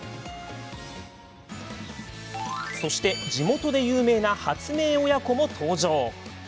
そして地元で有名な発明親子も登場。